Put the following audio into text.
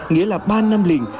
nghĩa là ba năm liền